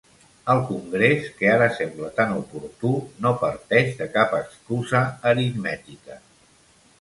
El Congrés, que ara sembla tan oportú, no parteix de cap excusa aritmètica.